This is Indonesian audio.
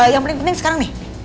yang paling penting sekarang nih